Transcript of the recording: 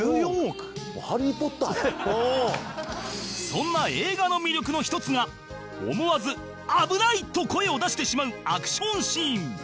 そんな映画の魅力の一つが思わず「危ない！」と声を出してしまうアクションシーン